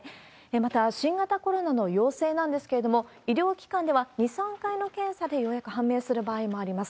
また、新型コロナの陽性なんですけれども、医療機関では、２、３回の検査でようやく判明する場合もあります。